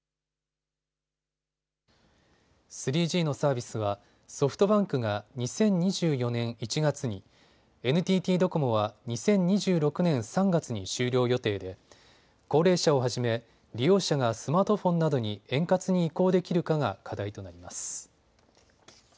３Ｇのサービスはソフトバンクが２０２４年１月に、ＮＴＴドコモは２０２６年３月に終了予定で高齢者をはじめ利用者がスマートフォンなどに円滑に移行できるかが課題となります。